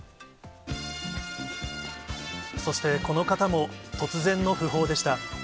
そして、この方も突然の訃報でした。